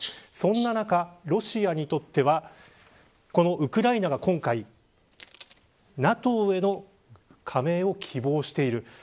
そんな中、ロシアにとってはこのウクライナが今回ＮＡＴＯへの加盟を希望している。